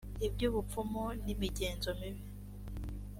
ibyubupfumu nimigenzo mibi.